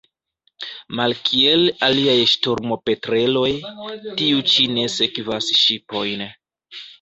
Malkiel aliaj ŝtormopetreloj, tiu ĉi ne sekvas ŝipojn.